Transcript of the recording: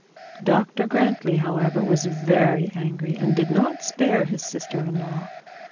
Dr Grantly, however, was very angry, and did not spare his sister in law.